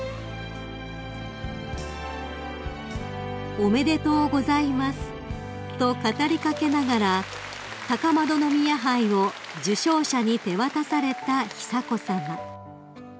［「おめでとうございます」と語り掛けながら高円宮杯を受賞者に手渡された久子さま］